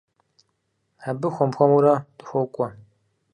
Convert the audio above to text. Абы хуэм-хуэмурэ дыхуокӏуэ.